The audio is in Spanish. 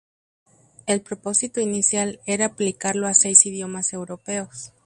El propósito inicial era aplicarlo a seis idiomas europeos.